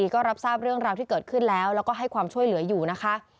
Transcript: ก็รับทราบเรื่องราวที่เกิดขึ้นแล้วแล้วก็ให้ความช่วยเหลืออยู่นะคะ